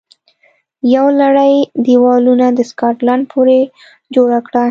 یوه لړۍ دېوالونه د سکاټلند پورې جوړه کړه